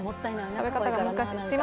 食べ方が難しい。